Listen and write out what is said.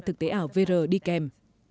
thực tế ảo vr đi kèm